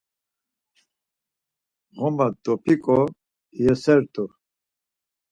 Ğoma dop̌iǩo, iyasert̆u.